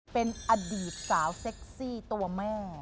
เป็นอดีตสาวเซ็กซี่ตัวแม่